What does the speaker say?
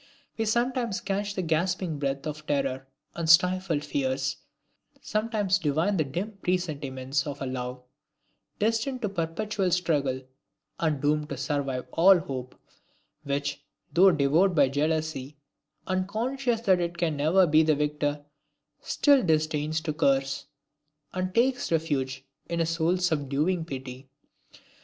We sometimes catch the gasping breath of terror and stifled fears; sometimes divine the dim presentiments of a love destined to perpetual struggle and doomed to survive all hope, which, though devoured by jealousy and conscious that it can never be the victor, still disdains to curse, and takes refuge in a soul subduing pity.